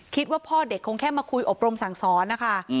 คิดว่าพ่อเด็กคงแค่มาคุยอบรมสั่งสอนนะคะ